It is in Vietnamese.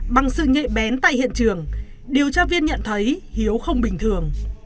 bằng sự nhạy bén tại hiện trường điều tra viên nhận thấy hiếu không bình thường